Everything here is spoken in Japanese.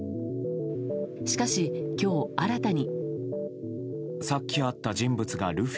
しかし今日、新たに。